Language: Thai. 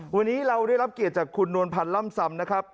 วันนี้เราได้รับเกียรติจากคุณนวลพันธ์ล่ำซำนะครับ